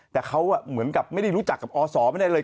แต่เขาเหมือนกับไม่ได้รู้จักกับอศไม่ได้เลย